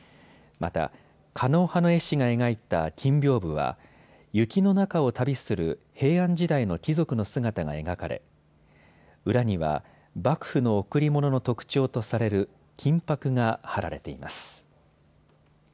また、狩野派の絵師が描いた金びょうぶは雪の中を旅する平安時代の貴族の姿が描かれ裏には幕府の贈り物の特徴とされる金ぱくが貼られています。